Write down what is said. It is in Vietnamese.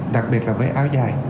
đặc biệt là với áo dài